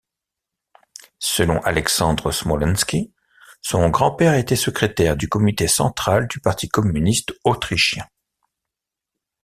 Selon Alexandre Smolenski, son grand-père était secrétaire du comité central du parti communiste autrichien.